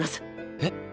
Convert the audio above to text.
えっ！？